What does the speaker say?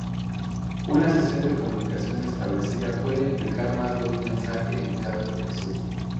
Una sesión de comunicación establecida puede implicar más de un mensaje en cada dirección.